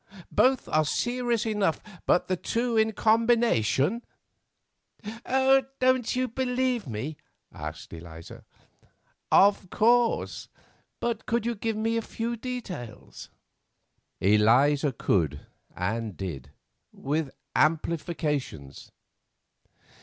Both are serious enough, but the two in combination——" "Don't you believe me?" asked Eliza. "Of course. But could you give me a few details?" Eliza could and did—with amplifications.